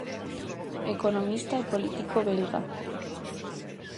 Economista e político belga.